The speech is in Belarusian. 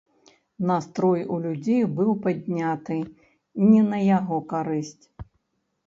Настрой у людзей быў падняты не на яго карысць.